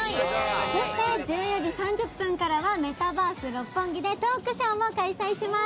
そして、１４時３０分からはメタバース六本木でトークショーも開催します。